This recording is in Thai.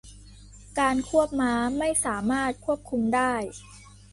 การควบม้าไม่สามารถควบคุมได้